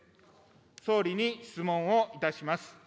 総理に質問をいたします。